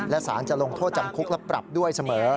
และสารจะลงโทษจำคุกและปรับด้วยเสมอ